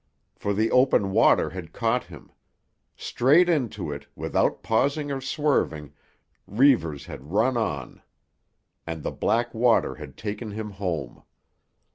For the open water had caught him. Straight into it, without pausing or swerving, Reivers had run on. And the black water had taken him home.